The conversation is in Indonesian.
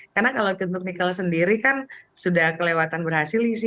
karena kalau untuk nikel sendiri kan sudah kelewatan berhasil sih